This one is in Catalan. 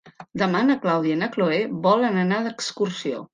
Demà na Clàudia i na Cloè volen anar d'excursió.